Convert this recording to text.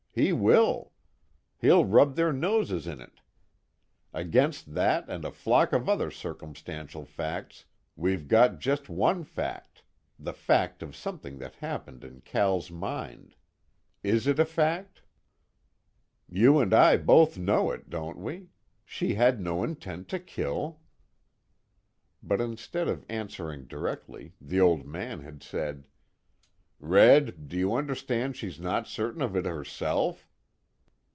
He will. He'll rub their noses in it. Against that and a flock of other circumstantial facts, we've got just one fact, the fact of something that happened in Cal's mind. Is it a fact?" "You and I both know it, don't we? She had no intent to kill." But instead of answering directly, the Old Man had said: "Red, do you understand she's not certain of it herself?"